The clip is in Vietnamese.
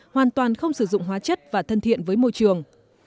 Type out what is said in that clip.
hoàn toàn không sử dụng hóa chất và thân thiện với môi trường